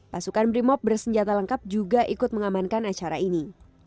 pasukan brimob bersenjata lengkap juga ikut mengamankan acara ini